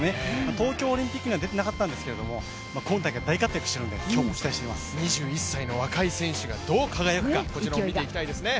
東京オリンピックには出ていなかったんですけど今大会、大活躍しているので２１歳の若い選手がどう輝くかこちらも見ていきたいですね。